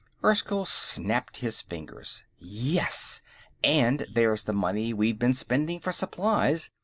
Erskyll snapped his fingers. "Yes! And there's the money we've been spending for supplies.